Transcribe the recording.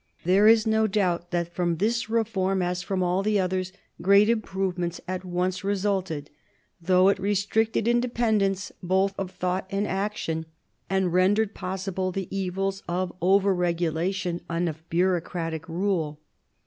There is no doubt that from this reform, as from all the others, great improvement at once resulted ; though it restricted independence both of thought and action, and rendered possible the evils of over regulation and of bureaucratic rule.